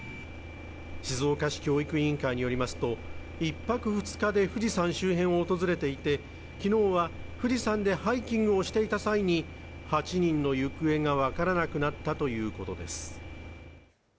静岡市教育委員会によりますと１泊２日で富士山周辺を訪れていて昨日は富士山でハイキングをしていた際に８人の行方が分からなくなったということです。